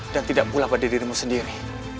dan tidak pula pada dirimu sendiri